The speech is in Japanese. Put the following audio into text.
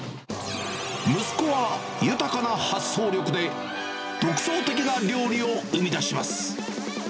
息子は、豊かな発想力で、独創的な料理を生み出します。